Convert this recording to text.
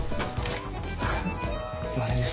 すいませんでした。